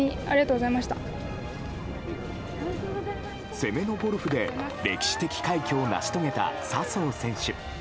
攻めのゴルフで歴史的快挙を成し遂げた笹生選手。